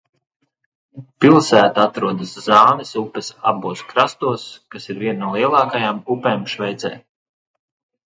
Pilsēta atrodas Zānes upes abos krastos, kas ir viena no lielākajām upēm Šveicē.